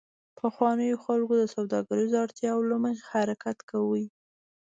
پخوانیو خلکو د سوداګریزو اړتیاوو له مخې حرکت کاوه